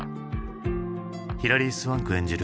ヒラリー・スワンク演じる